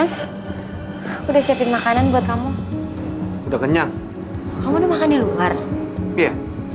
sampai jumpa di video selanjutnya